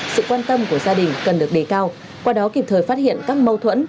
sự quan tâm của gia đình cần được đề cao qua đó kịp thời phát hiện các mâu thuẫn